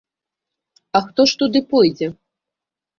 А хто ж туды пойдзе?